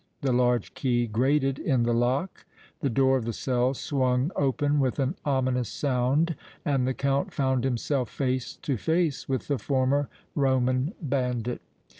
The large key grated in the lock, the door of the cell swung open with an ominous sound and the Count found himself face to face with the former Roman bandit.